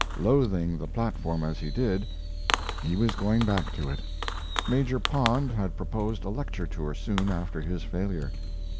Loathing the platform as he did, he was going back to it. Major Pond had proposed a lecture tour soon after his failure.